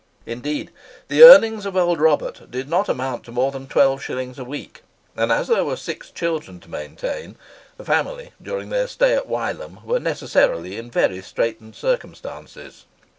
Indeed, the earnings of old Robert did not amount to more than twelve shillings a week; and, as there were six children to maintain, the family, during their stay at Wylam, were necessarily in very straitened circumstances.